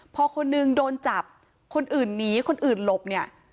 พอคนนึงโดนจับคนอื่นหนีคนอื่นหลบเนี่ย